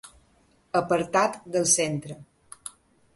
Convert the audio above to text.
Apartat del centre.